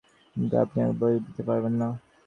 তার মানে কি আপনি আমাকে বই দিতে পারবেন না?